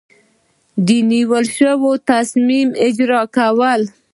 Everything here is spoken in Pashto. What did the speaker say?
د نیول شوي تصمیم اجرا کول.